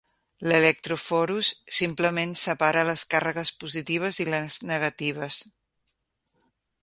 L'electrofhorus simplement separa les càrregues positives i les negatives.